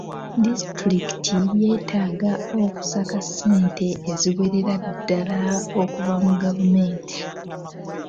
Disitulikiti yeetaaga okusaka ssente eziwerera ddaala okuva mu gavumenti.